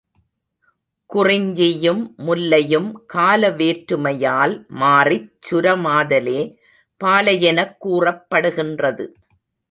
குறிஞ்சியும் முல்லையும் கால வேற்றுமையால் மாறிச் சுரமாதலே பாலையெனக் கூறப்படுகின்றது.